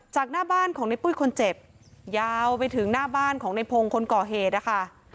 จากหน้าบ้านของในปุ้ยคนเจ็บยาวไปถึงหน้าบ้านของในพงศ์คนก่อเหตุนะคะ